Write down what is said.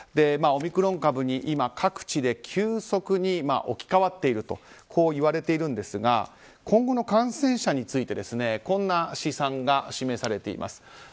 オミクロン株に各地で急速に置き換わっているといわれているんですが今後の感染者についてこんな試算が示されています。